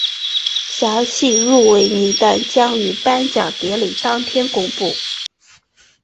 详细入围名单将于颁奖典礼当天公布。